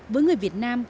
với người việt nam